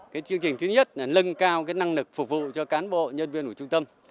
chương trình thứ nhất là nâng cao năng lực phục vụ cho cán bộ nhân viên của trung tâm